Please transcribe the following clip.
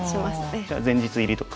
じゃあ前日入りとか？